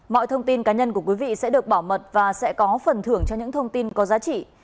mọi thông tin cá nhân của quý vị sẽ được bảo mật và sẽ có phần thưởng cho những thông tin có giá trị